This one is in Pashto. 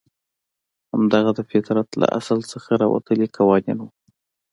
همدغه د فطرت له اصل څخه راوتلي قوانین وو.